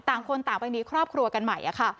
ต่างคนต่างไปมีครอบครัวกันใหม่